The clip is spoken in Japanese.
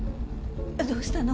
どうしたの？